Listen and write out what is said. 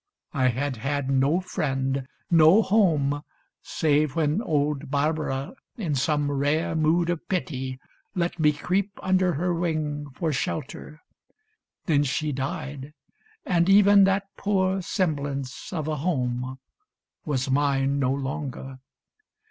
I had had No friend, no home, save when old Barbara In some rare mood of pity let me creep Under her wing for shelter. Then she died, And even that poor semblance of a home Was mine no longer.